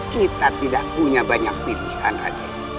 kita tidak punya banyak percayaan raden